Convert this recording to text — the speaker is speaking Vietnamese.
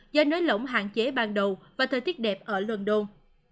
do nới lỏng hạn chế ban đầu và thời tiết đẹp ở london